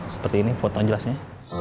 seperti ini foto jelasnya